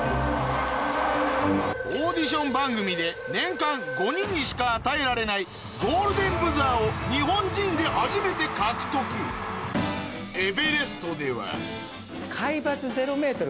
オーディション番組で年間５人にしか与えられないゴールデンブザーを日本人で初めて獲得多分。